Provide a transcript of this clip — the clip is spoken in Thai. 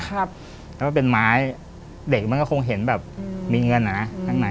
แล้วมันเป็นไม้เด็กมันก็คงเห็นแบบมีเงินนะข้างใน